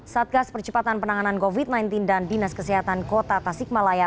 satgas percepatan penanganan covid sembilan belas dan dinas kesehatan kota tasikmalaya